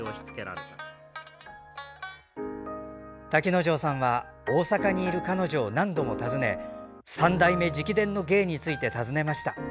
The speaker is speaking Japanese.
瀧之丞さんは大阪にいる彼女を何度も訪ね三代目直伝の芸について尋ねました。